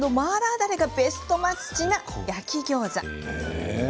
だれがベストマッチな焼きギョーザ。